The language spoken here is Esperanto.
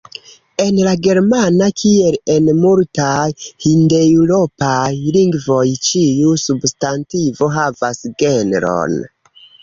En la germana, kiel en multaj hindeŭropaj lingvoj, ĉiu substantivo havas genron.